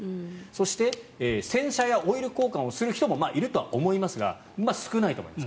そして洗車やオイル交換をする人もいるとは思いますが少ないと思います。